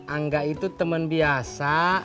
angga itu temen biasa